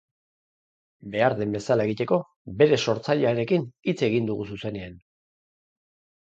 Behar den bezala egiteko, bere sortzailearekin hitz egin dugu zuzenean!